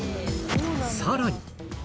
さらに！